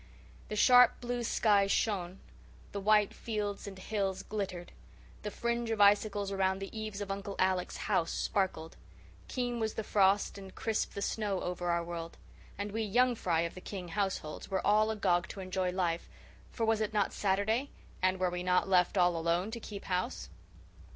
The sharp blue sky shone, the white fields and hills glittered, the fringe of icicles around the eaves of Uncle Alec's house sparkled. Keen was the frost and crisp the snow over our world; and we young fry of the King households were all agog to enjoy life for was it not Saturday, and were we not left all alone to keep house?